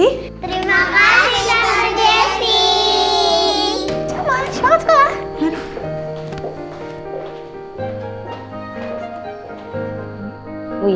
terima kasih tante jessy